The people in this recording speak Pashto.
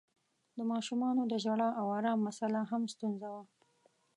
د ماشومانو د ژړا او آرام مسآله هم ستونزه وه.